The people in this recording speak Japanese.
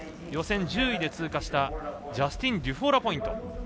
予選１０位で通過したジャスティン・デュフォーラポイント。